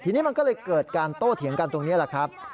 ทีนี้มันก็เลยเกิดการโต้เถียงกันตรงนี้แหละครับ